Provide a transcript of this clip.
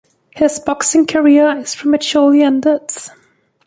His boxing career is prematurely ended.